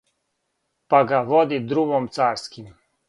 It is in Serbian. Па га води друмом царским